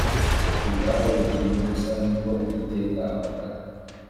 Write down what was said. ubwabo bugingo gusa Ni ko Uwiteka avuga